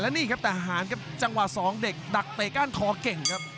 นี่ครับทหารครับจังหวะ๒เด็กดักเตะก้านคอเก่งครับ